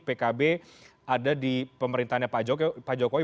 pkb ada di pemerintahnya pak jokowi